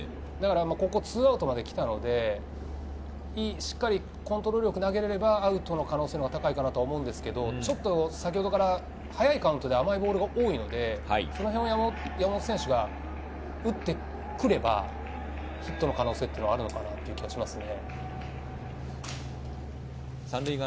２アウトまで来たので、しっかりコントロールよく投げれればアウトの可能性が高いと思うんですけど、先ほどから早いカウントで甘いボールが多いので、山本選手が打ってくれば、ヒットの可能性はあるのかなという気はしますね。